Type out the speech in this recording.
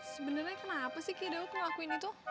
sebenernya kenapa sih ki daud ngelakuin itu